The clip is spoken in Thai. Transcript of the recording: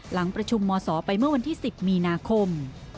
หลังประชุมมศไปเมื่อวันที่๑๐มีนาคม